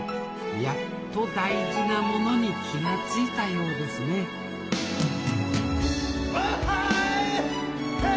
やっと大事なものに気が付いたようですねわい！